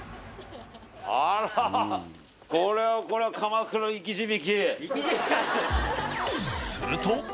あらこれはこれは生き字引。